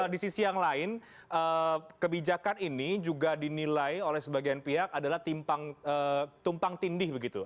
di sisi yang lain kebijakan ini juga dinilai oleh sebagian pihak adalah tumpang tindih begitu